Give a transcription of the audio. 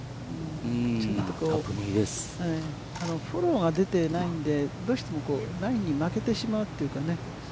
フォローが出てないので、どうしてもラインに負けてしまうというかね。